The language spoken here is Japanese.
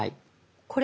これ？